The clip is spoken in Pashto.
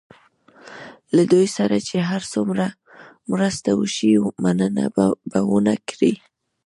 له دوی سره چې هر څومره مرسته وشي مننه به ونه کړي.